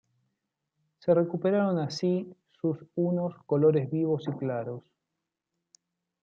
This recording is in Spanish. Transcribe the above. Se recuperaron así sus unos colores vivos y claros.